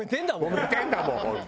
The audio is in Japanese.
もめてるんだもん本当。